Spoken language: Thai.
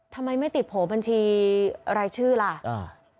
ทำไมไม่ติดโผล่บัญชีรายชื่อล่ะอ่า